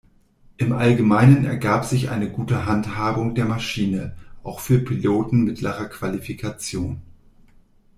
Im Allgemeinen ergab sich eine gute Handhabung der Maschine, auch für Piloten mittlerer Qualifikation.